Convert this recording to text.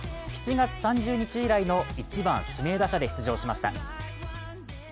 ７月３０日以来の１番・指名打者で出場しました。